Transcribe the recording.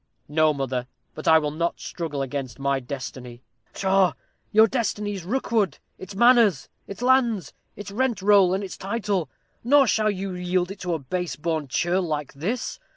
"No, mother; but I will not struggle against my destiny." "Pshaw! your destiny is Rookwood, its manors, its lands, its rent roll, and its title; nor shall you yield it to a base born churl like this.